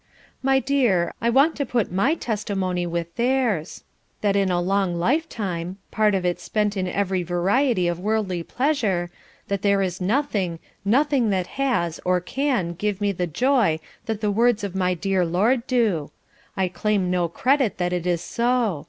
My dear, I want to put my testimony with theirs, that in a long lifetime part of it spent in every variety of worldly pleasure that there is nothing, nothing that has or can give me the joy that the words of my dear Lord do. I claim no credit that it is so.